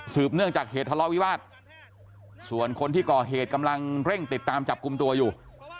เนื่องจากเหตุทะเลาะวิวาสส่วนคนที่ก่อเหตุกำลังเร่งติดตามจับกลุ่มตัวอยู่